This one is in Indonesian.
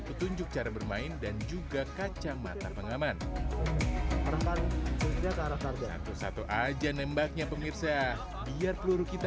petunjuk cara bermain dan juga kacamata pengaman satu satu aja nembaknya pemirsa biar peluru kita